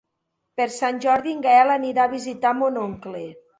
Per Sant Jordi en Gaël anirà a visitar mon oncle.